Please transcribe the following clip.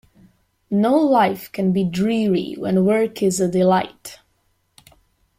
No life can be dreary when work is a delight.